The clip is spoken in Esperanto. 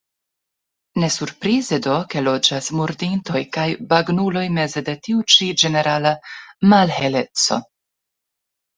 Ne surprize do, ke loĝas murdintoj kaj bagnuloj meze de tiu ĉi ĝenerala malheleco.